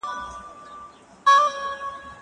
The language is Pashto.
هغه وويل چي کښېناستل ضروري دي.